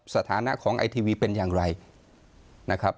สถานะของไอทีวีเป็นอย่างไรนะครับ